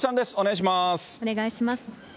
お願いします。